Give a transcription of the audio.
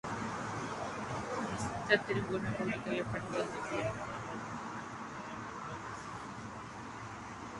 En esta tribuna el público veía los partidos de pie.